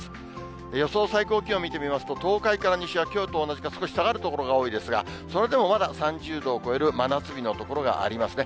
最高気温を見てみますと、東海から西は、きょうと同じか少し下がる所が多いですが、それでもまだ３０度を超える真夏日の所がありますね。